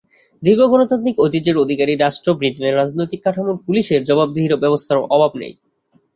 দীর্ঘ গণতান্ত্রিক ঐতিহ্যের অধিকারী রাষ্ট্র ব্রিটেনের রাজনৈতিক কাঠামোয় পুলিশের জবাবদিহির ব্যবস্থার অভাব নেই।